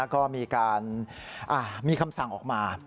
ก็มีการมีคำสั่งออกมา